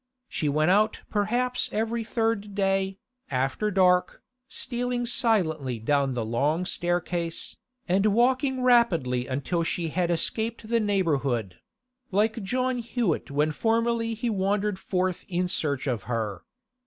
She went out perhaps every third day, after dark, stealing silently down the long staircase, and walking rapidly until she had escaped the neighbourhood—like John Hewett when formerly he wandered forth in search of her.